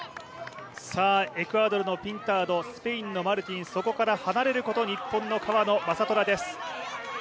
エクアドルのピンタードスペインのマルティンそこから離れること日本の川野将虎です。